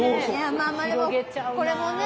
まあまあでもこれもね